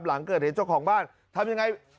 หลังเกิดเหตุเจ้าของบ้านทำยังไง